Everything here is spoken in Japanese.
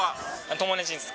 友達です。